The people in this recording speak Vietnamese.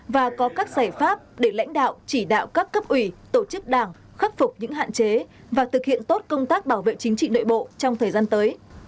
và có các giải pháp để lãnh đạo chỉ đạo các cấp ủy tổ chức đảng khắc phục những hạn chế và thực hiện tốt công tác bảo vệ chính trị nội bộ trong thời gian tới